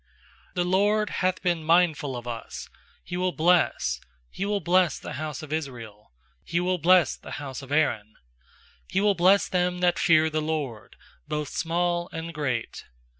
"The LORD hath been mindful of us, He will bless — He will bless the house of Israel; He will bless the house of Aaron. 13He will bless them that fear the LORD, Both small and great.